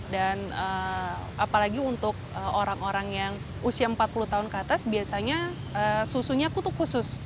dan apalagi untuk orang orang yang usia empat puluh tahun ke atas biasanya susunya kutuk khusus